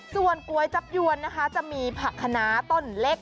ส่วนก๋วยจับยวนนะคะจะมีผักขนาต้นเล็ก